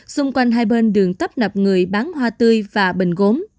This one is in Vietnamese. xung quanh hai bên đường tấp nập người bán hoa tươi và bình gốm